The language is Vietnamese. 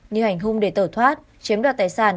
như hành hung để tẩu thoát chiếm đoạt tài sản